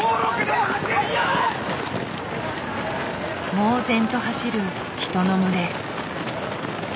猛然と走る人の群れ。